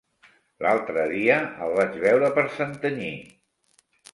L'altre dia el vaig veure per Santanyí.